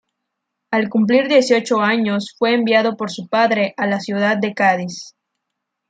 Al cumplir dieciocho años fue enviado por su padre a la ciudad de Cádiz.